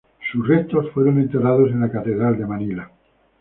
Sus restos fueron enterrados en la catedral de Manila.